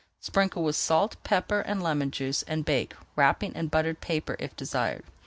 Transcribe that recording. Sprinkle with salt, pepper, and lemon juice, and bake, wrapping in buttered paper if desired.